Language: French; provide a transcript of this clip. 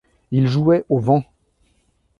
Ils jouaient au vent.